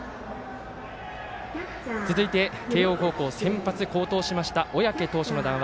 続いて、慶応高校先発好投しました小宅投手の談話